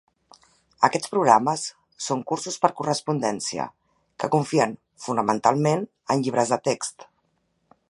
Aquests programes són cursos per correspondència, que confien fonamentalment en llibres de text.